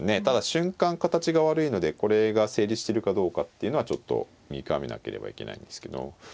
ただ瞬間形が悪いのでこれが成立してるかどうかっていうのはちょっと見極めなければいけないんですけど。